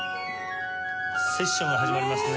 セッションが始まりましたね。